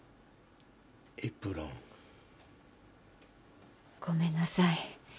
エプロン。ごめんなさい。